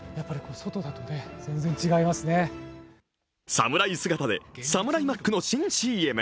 侍姿でサムライマックの新ＣＭ。